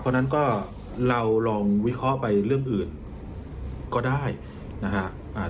เพราะฉะนั้นก็เราลองวิเคราะห์ไปเรื่องอื่นก็ได้นะฮะ